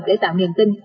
để tạo niềm tin